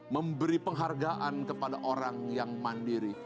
memberi penghargaan kepada orang yang mandiri